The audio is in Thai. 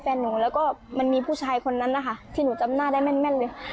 แฟนหนูแล้วก็มันมีผู้ชายคนนั้นนะคะที่หนูจำหน้าได้แม่นเลย